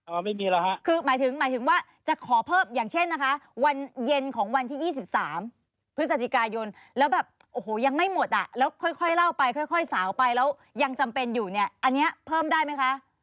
ไม่มีแล้วฮะคือหมายถึงหมายถึงว่าจะขอเพิ่มอย่างเช่นนะคะวันเย็นของวันที่๒๓พฤศจิกายนแล้วแบบโอ้โหยังไม่หมดอ่ะแล้วค่อยเล่าไปค่อยสาวไปแล้วยังจำเป็นอยู่เนี่ยอันนี้เพิ่มได้ไหมคะ